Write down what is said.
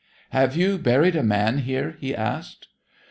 'Have you buried a man here?' he asked.